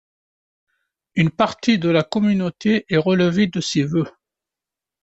Une partie de la communauté est relevée de ses vœux.